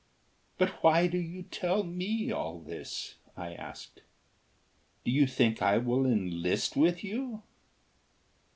"But why do you tell me all this?" I asked. "Do you think I will enlist with you?"